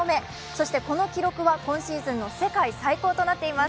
そしてこの記録は今シーズンの世界最高となっています。